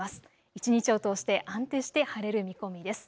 一日を通して安定して晴れる見込みです。